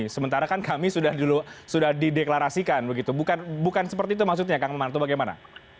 sementara kan kami sudah dideklarasikan begitu bukan seperti itu maksudnya kang mamarto bagaimana